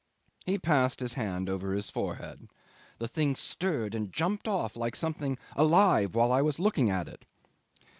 He passed his hand over his forehead. "The thing stirred and jumped off like something alive while I was looking at it."